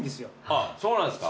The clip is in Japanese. あっそうなんですか？